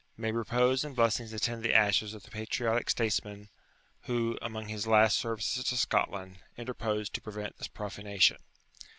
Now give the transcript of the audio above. May repose and blessings attend the ashes of the patriotic statesman who, amongst his last services to Scotland, interposed to prevent this profanation!